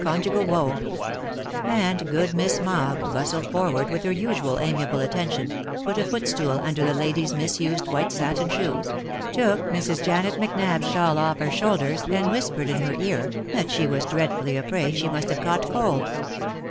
23 conjugal woe; and good Miss Mogg bustled forward with her usual amiable attention, put a footstool under the lady's misused white satin shoes, took Mrs. Janet Macnab's shawl off her shoulders, and whispered in her ear, that she was dreadfully afraid she must have caught cold.